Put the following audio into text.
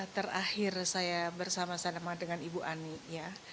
terakhir saya bersama sama dengan ibu ani ya